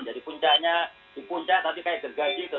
jadi puncaknya di puncak tapi kayak gergaji itu